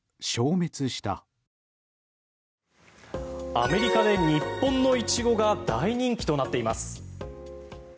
アメリカで日本のイチゴが大人気となっています。